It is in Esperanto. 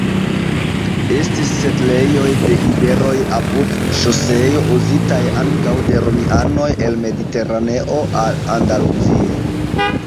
Estis setlejoj de iberoj apud ŝoseo uzitaj ankaŭ de romianoj el Mediteraneo al Andaluzio.